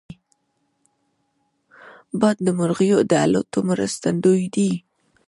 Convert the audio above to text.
باد د مرغیو د الوت مرستندوی دی